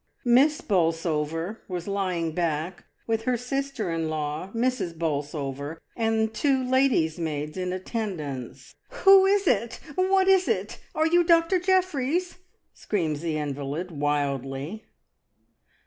Miss Bolsover was lying back, with her sister in law, Mrs. Bolsover, and two ladies' maids in attendance. "Who is it? — what is it? Are you Doctor Jeffries?" screams the invalid, wildly.